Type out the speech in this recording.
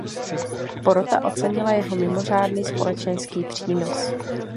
Porota ocenila jeho mimořádný společenský přínos.